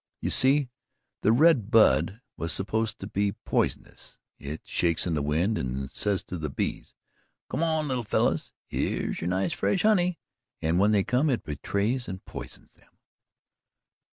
"You see, the red bud was supposed to be poisonous. It shakes in the wind and says to the bees, 'Come on, little fellows here's your nice fresh honey, and when they come, it betrays and poisons them."